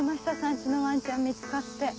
家のワンちゃん見つかって。